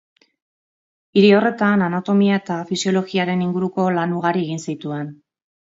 Hiri horretan anatomia eta fisiologiaren inguruko lan ugari egin zituen.